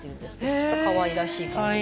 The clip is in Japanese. ちょっとかわいらしい感じ。